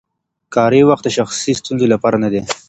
کاري وخت د شخصي ستونزو لپاره نه دی.